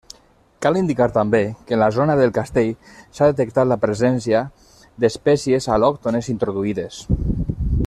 Cal indicar també que en la zona del Castell s'ha detectat la presència d'espècies al·lòctones introduïdes.